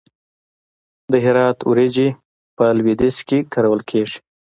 د هرات وریجې په لویدیځ کې کارول کیږي.